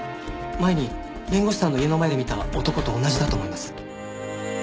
前に弁護士さんの家の前で見た男と同じだと思います。